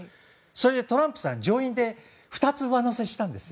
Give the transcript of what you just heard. それでトランプさん上院で２つ上乗せしたんです。